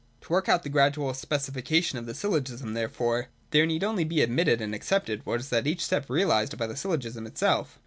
To work out the gradual specification of the syllogism, therefore, there need only be admitted and accepted what is at each step realised by the syllogism itself.